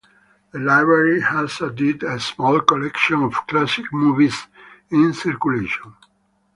The library has added a small collection of classic movies in circulation.